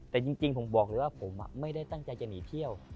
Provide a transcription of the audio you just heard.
แต่จริงผมบอกเลยว่าผมไม่ได้ตั้งใจจะหนีเที่ยว